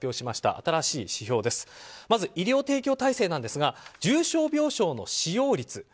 まず医療提供体制なんですが重症病床の使用率。